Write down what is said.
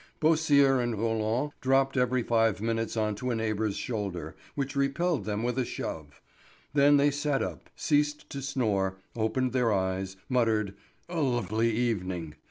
Beausire and Roland dropped every five minutes on to a neighbour's shoulder which repelled them with a shove. Then they sat up, ceased to snore, opened their eyes, muttered, "A lovely evening!"